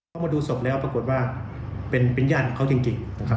พอมาดูศพแล้วปรากฏว่าเป็นญาติของเขาจริงนะครับ